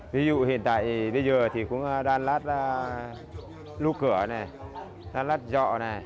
ví dụ hiện tại bây giờ thì cũng đan lát lưu cửa đan lát dọ